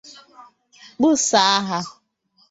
kpọsàá ha